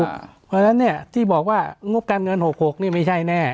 เพราะฉะนั้นที่บอกว่างบการเงิน๖๖นี่ไม่ใช่แน่